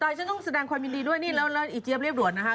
แต่ฉันต้องแสดงความยินดีด้วยแล้วอีเจฟเรียบรวนนะฮะ